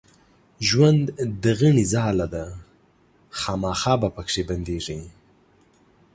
ژوند د غڼي ځاله ده خامخا به پکښې بندېږې